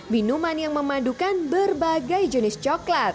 minuman yang memadukan berbagai jenis coklat